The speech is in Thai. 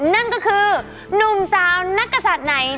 นั่นก็คือหนุ่มสาวนักกษัตริย์ไหน